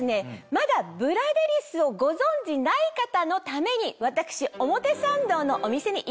まだブラデリスをご存じない方のために私表参道のお店に行ってきました。